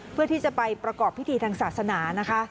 เพื่อที่จะไปประกอบพิธีทางศาสนานะคะ